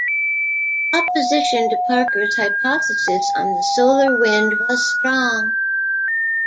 Opposition to Parker's hypothesis on the solar wind was strong.